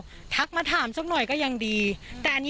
ก็กลายเป็นว่าติดต่อพี่น้องคู่นี้ไม่ได้เลยค่ะ